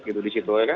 gitu di situ ya kan